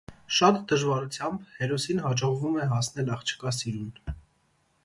Շատ դժվարությամբ հերոսին հաջողվում է հասնել աղջկա սիրուն։